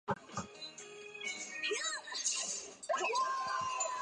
同年的县市长选举中也有多个具亲民党籍的候选人当选。